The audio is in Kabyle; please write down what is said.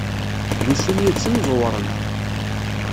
Deg sin yid-sen ẓewren.